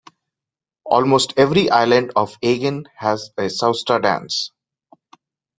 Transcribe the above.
Almost every island of Aegean has a sousta dance.